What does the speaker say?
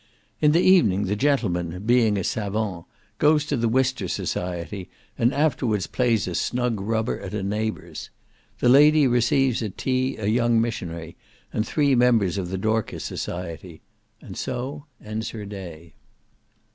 In the evening the gentleman, being a savant, goes to the Wister society, and afterwards plays a snug rubber at a neighbour's. The lady receives at tea a young missionary and three members of the Dorcas society.—And so ends her day.